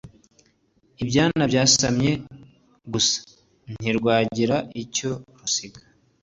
ibyana byasamye gusa, ntirwagira icyo rusigaza